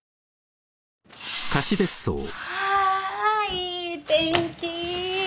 いい天気。